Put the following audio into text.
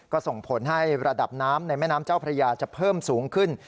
ก็ส่งผลให้ระดับน้ำในแม่น้ำเจ้าพระยาจะเพิ่มสูงขึ้น